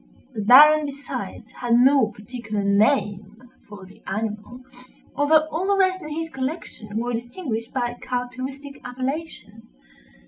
The Baron, besides, had no particular name for the animal, although all the rest in his collection were distinguished by characteristic appellations.